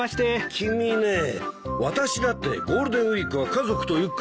君ね私だってゴールデンウィークは家族とゆっくり過ごすよ。